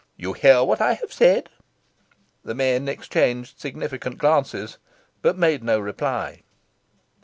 You hear what I have said?" The men exchanged significant glances, but made no reply.